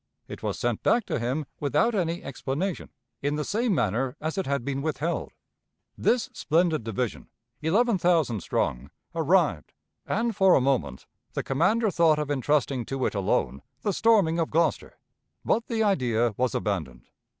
It was sent back to him without any explanation, in the same manner as it had been withheld. This splendid division, eleven thousand strong, arrived, and for a moment the commander thought of intrusting to it alone the storming of Gloucester, but the idea was abandoned."